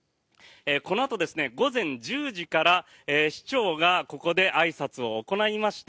このあと午前１０時から、市長がここであいさつを行いまして